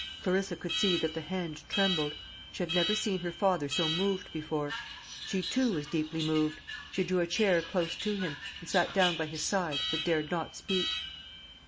Clarissa could see that the hand trembled. She had never seen her father so moved before. She too was deeply moved. She drew a chair close to him, and sat down by his side, but dared not speak.